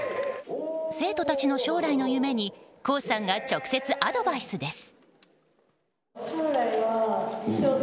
生徒たちの将来の夢にＫＯＯさんが直接アドバイスです。